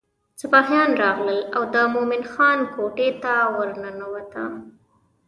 سپاهیان راغلل او د مومن خان کوټې ته ورننوته.